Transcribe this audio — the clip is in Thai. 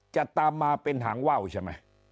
จะตามมาเป็นหางว่าวใช่ไหม